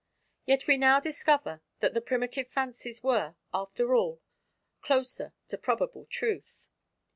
Yet we now discover that the primitive fancies were, after all, closer to probable truth.